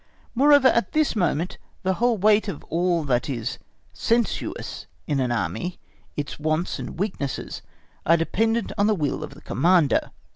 Moreover, at this moment the whole weight of all that is sensuous in an Army, its wants and weaknesses, are dependent on the will of the Commander.